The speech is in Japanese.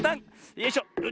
よいしょ。